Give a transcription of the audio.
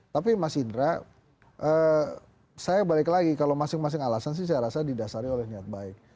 tapi mas indra saya balik lagi kalau masing masing alasan sih saya rasa didasari oleh niat baik